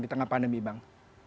di tengah pandemi bang